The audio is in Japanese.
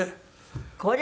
これ。